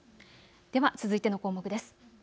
では続いての項目です。